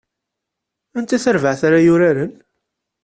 Anta tarbaɛt ara yuraren?